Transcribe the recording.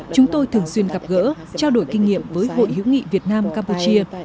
chúng tôi thường xuyên gặp gỡ trao đổi kinh nghiệm với hội hữu nghị việt nam campuchia